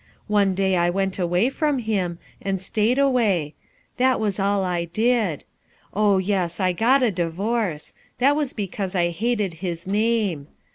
One day I went away from him and stayed away. That was all I did. Oh, yes, I got a divorce; that was because I hated his i name.